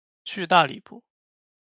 去大理不